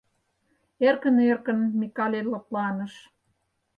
Эркын-эркын Микале лыпланыш.